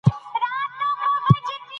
اصل ملي سرغړونه د پیژندني لاره نده.